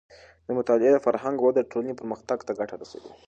د مطالعې د فرهنګ وده د ټولنې پرمختګ ته ګټه رسوي.